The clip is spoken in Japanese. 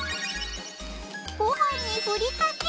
ごはんにふりかけ。